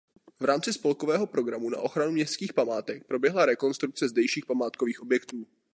V rámci spolkového programu na ochranu městských památek proběhla rekonstrukce zdejších památkových objektů.